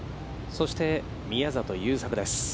そして、宮里優作です。